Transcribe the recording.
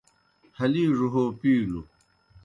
ہلیڙوْ ہو پِیلوْ